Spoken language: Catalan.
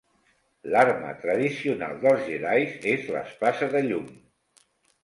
L'arma tradicional dels jedis és l'espasa de llum.